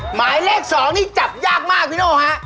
หมายเลข๒นี่จับยากมากพี่โน่ฮะ